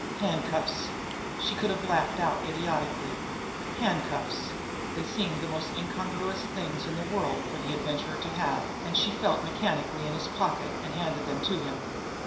Handcuffs! She could have laughed out idiotically. Handcuffs! They seemed the most incongruous things in the world for the Adventurer to have, and She felt mechanically in his pocket, and handed them to him.